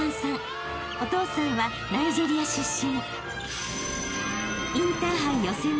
［お父さんはナイジェリア出身］